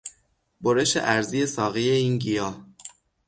برش عرضی ساقهی این گیاه